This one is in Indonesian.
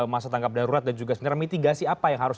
masa tanggap darurat dan juga sebenarnya mitigasi apa yang harus